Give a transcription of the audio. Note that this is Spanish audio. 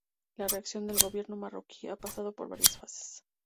La reacción del gobierno marroquí ha pasado por varias fases.